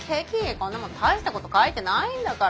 こんなもん大したこと書いてないんだから。